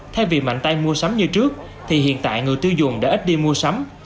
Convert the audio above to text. thay vì mạnh tay mua sắm như trước thì hiện tại người tiêu dùng đã ít đi mua sắm